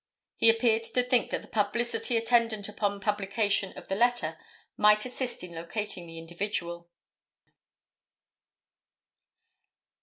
He appeared to think that the publicity attendant upon publication of the letter might assist in locating the individual.